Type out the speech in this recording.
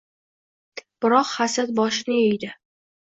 Biroq hasad boshini yedi —